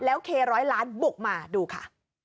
แล้วเคร้อยล้านบุกมาดูค่ะ